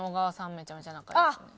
めちゃめちゃ仲いいですね。